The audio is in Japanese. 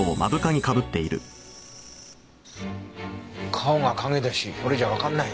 顔が影だしこれじゃわかんないよ。